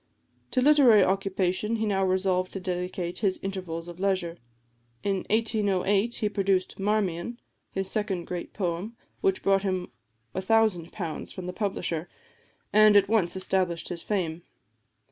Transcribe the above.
To literary occupation he now resolved to dedicate his intervals of leisure. In 1808 he produced "Marmion," his second great poem, which brought him £1000 from the publisher, and at once established his fame.